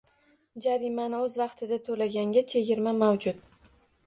Jarimani o‘z vaqtida to‘laganga chegirma mavjud